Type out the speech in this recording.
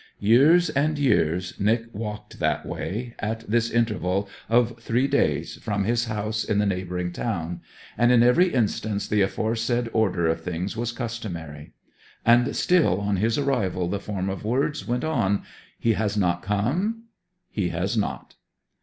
Years and years Nic walked that way, at this interval of three days, from his house in the neighbouring town; and in every instance the aforesaid order of things was customary; and still on his arrival the form of words went on 'He has not come?' 'He has not.'